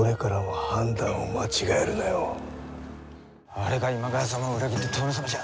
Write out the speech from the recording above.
あれが今川様を裏切った殿様じゃ。